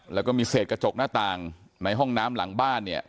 แล้วก็มีเศษกระจกหน้าต่างในห้องน้ำหลังบ้านเนี่ย